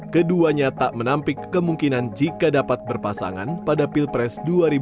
keduanya tak menampik kemungkinan jika dapat berpasangan pada pilpres dua ribu dua puluh